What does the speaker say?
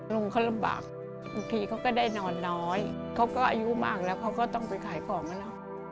ลุงเขาลำบากบางทีเขาก็ได้นอนน้อยเขาก็อายุมากแล้วเขาก็ต้องไปขายของนะ